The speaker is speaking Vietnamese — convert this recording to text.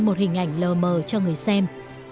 một hình ảnh lờ mờ cho người xem